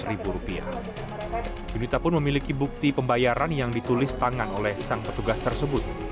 ibu ibu tambunan memiliki bukti pembayaran yang ditulis tangan oleh sang petugas tersebut